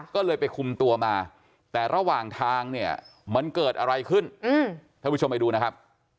ก็เลยไปคุมตัวมาแต่ระหว่างทางเนี่ยมันเกิดอะไรขึ้นท่านผู้ชมไปดูนะครับ